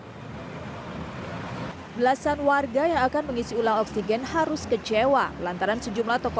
hai belasan warga yang akan mengisi ulang oksigen harus kecewa lantaran sejumlah toko